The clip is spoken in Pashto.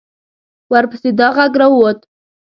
ورپسې دا غږ را ووت.